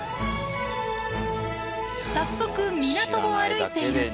早速港を歩いていると。